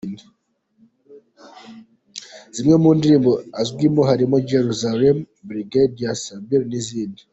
Zimwe mu ndirimbo azwimo harimo “Jelusalem”, “Brigadier Sabari” n’izindi.